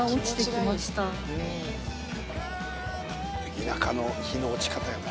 田舎の日の落ち方やな。